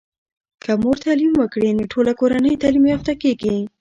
که مور تعليم وکړی نو ټوله کورنۍ تعلیم یافته کیږي.